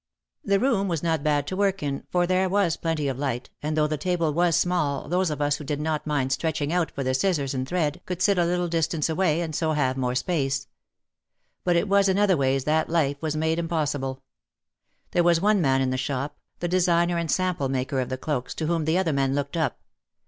The room was not bad to work in, for there was plenty of light and 273 274 OUT OF THE SHADOW though the table was small those of us who did not mind stretching out for the scissors and thread could sit a little distance away and so have more space. But it was in other ways that life was made impossible. There was one man in the shop, the designer and sample maker of the cloaks, to whom the other men looked up.